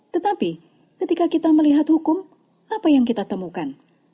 tetapi ketika kita melihat hukum apa yang kita temukan